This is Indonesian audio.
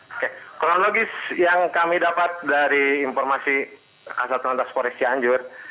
oke kronologis yang kami dapat dari informasi asal asal porek canjur